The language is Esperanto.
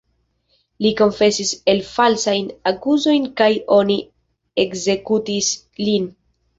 Li konfesis la falsajn akuzojn kaj oni ekzekutis lin.